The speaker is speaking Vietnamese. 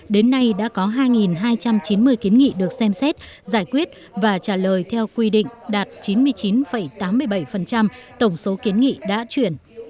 đến nay đã có hai hai trăm chín mươi kiến nghị được xem xét giải quyết và trả lời theo quy định đạt chín mươi chín tám mươi bảy tổng số kiến nghị đã chuyển